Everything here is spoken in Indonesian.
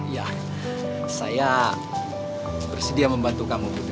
iya saya bersedia membantu kamu putri